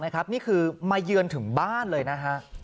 นี่คือมาเยือนถึงบ้านเลยนะฮะ